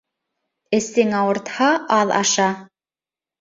Әсең ауыртһа, аҙ аша.